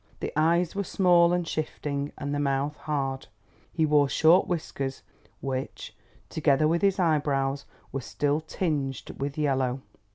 The eyes were small and shifting, and the mouth hard. He wore short whiskers which, together with the eyebrows, were still tinged with yellow.